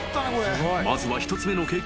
［まずは１つ目の計画。